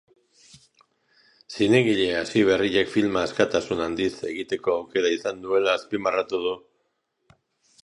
Zinegile hasiberriak filma askatasun handiz egiteko aukera izan duela azpimarratu du.